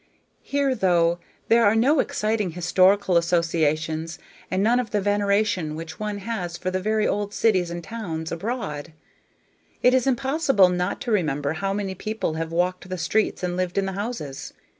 Here though there are no exciting historical associations and none of the veneration which one has for the very old cities and towns abroad it is impossible not to remember how many people have walked the streets and lived in the houses.